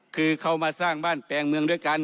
คือเขามาสร้างบ้านแปลงเมืองด้วยกัน